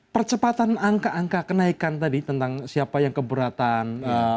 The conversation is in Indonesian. percepatan angka angka kenaikan tadi tentang siapa yang keberatan